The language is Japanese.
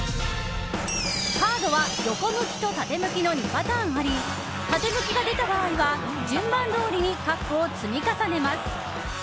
カードは横向きと縦向きの２パターンあり縦向きが出た場合は順番どおりにカップを積み重ねます。